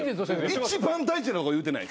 一番大事なこと言うてない。